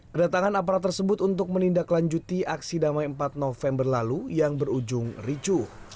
kedatangan aparat tersebut untuk menindaklanjuti aksi damai empat november lalu yang berujung ricuh